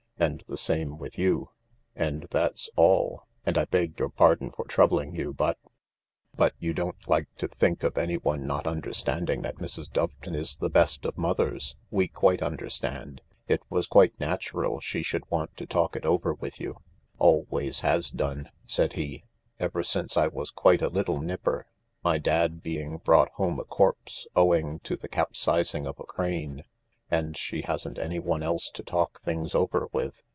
And the same with you. And that's all, and I beg your pardon for troubling you, but " 180 THE LARK " But you don't like to think of anyone not understanding that Mrs. Doveton is the best of mothers ?— we quite under stand. It was quite natural she should want to talk it over with you." "Always has done," said he, "ever since I was quite a little nipper, my dad being brought home a corpse owing to the capsizing of a crane, and she hadn't anyone else to talk things over with.